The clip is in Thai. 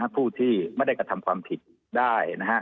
ผู้ที่ไม่ได้กระทำความผิดได้